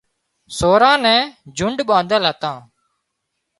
سوران نين جنڍ ٻانڌل هتان